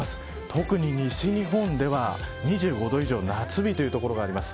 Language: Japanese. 特に西日本では２５度以上の夏日という所があります。